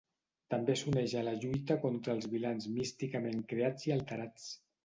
També s'uneix a la lluita contra els vilans místicament creats i alterats.